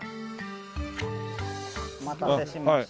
お待たせしました。